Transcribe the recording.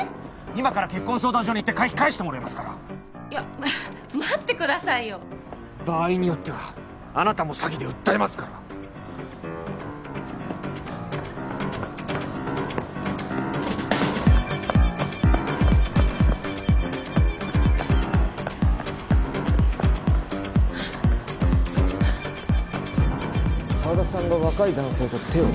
今から結婚相談所に行って会費返してもらいますからいや待ってくださいよ場合によってはあなたも詐欺で訴えますから沢田さんが若い男性と手を？